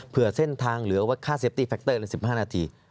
เผื่อเส้นทางหรือว่าค่าเซฟตี้แฟคเตอร์๑๕นาที